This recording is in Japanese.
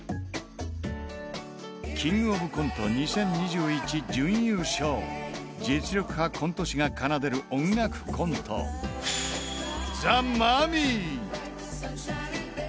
「キングオブコント２０２１」準優勝、実力派コント師が奏でる音楽コントザ・マミィ。